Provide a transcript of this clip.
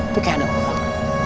itu kayak ada orang